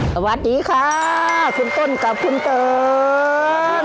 สวัสดีค่ะคุณต้นกับคุณเติม